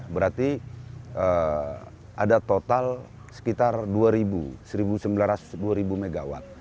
berarti ada total sekitar dua ribu seribu sembilan ratus dua mw